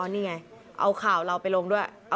นี่ไงเอาข่าวเราไปลงด้วย